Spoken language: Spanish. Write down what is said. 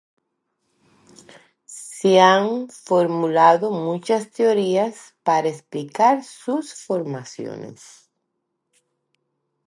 Se han formulado muchas teorías para explicar sus formaciones.